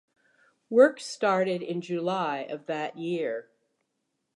Work started in July of that year.